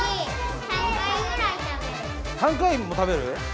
３回も食べる？